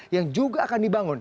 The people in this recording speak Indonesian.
yang juga akan dibangun